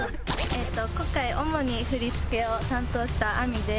今回主に振り付けを担当したあみです。